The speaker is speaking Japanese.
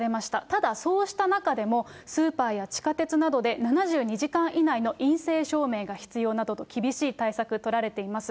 ただ、そうした中でも、スーパーや地下鉄などで、７２時間以内の陰性証明が必要などと、厳しい対策が取られています。